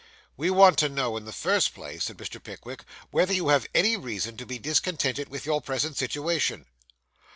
'We want to know, in the first place,' said Mr. Pickwick, 'whether you have any reason to be discontented with your present situation.